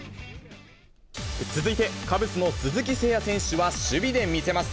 続いて、カブスの鈴木誠也選手は守備で見せます。